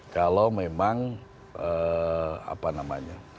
kalau memang apa namanya